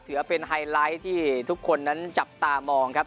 ถือเป็นไฮไลท์ที่ทุกคนนั้นจับตามองครับ